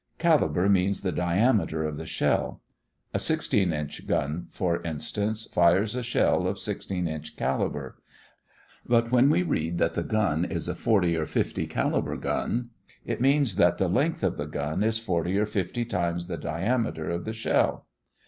Caliber means the diameter of the shell. A 16 inch gun, for instance, fires a shell of 16 inch caliber; but when we read that the gun is a 40 or 50 caliber gun, it means that the length of the gun is forty or fifty times the diameter of the shell.